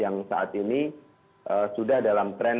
yang saat ini sudah dalam tren